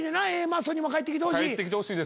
Ａマッソにも帰ってきてほしい。